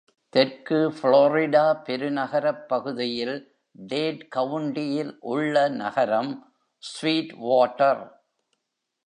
தெற்கு ஃபுளோரிடா பெருநகரப் பகுதியில், டேட் கவுன்டியில் உள்ள நகரம், ஸ்வீட் வாட்டர்.